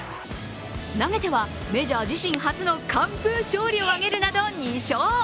投げてはメジャー自身初の完封勝利を挙げるなど２勝。